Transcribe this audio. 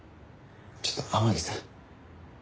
ちょっと天樹さん。